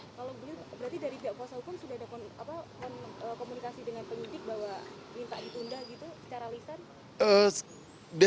kalau bizarre dari pihak puasa hukum sudah ada komunikasi dengan penyulit bahwa minta ditunda gitu secara lisan